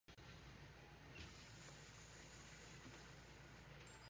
Unlike other voles, prairie voles are generally monogamous.